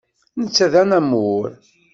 Netta d anamur